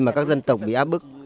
mà các dân tộc bị áp bức